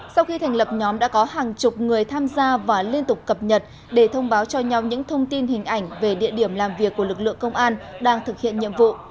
sau khi thành lập nhóm đã có hàng chục người tham gia và liên tục cập nhật để thông báo cho nhau những thông tin hình ảnh về địa điểm làm việc của lực lượng công an đang thực hiện nhiệm vụ